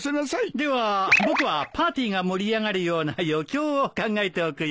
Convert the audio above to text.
では僕はパーティーが盛り上がるような余興を考えておくよ。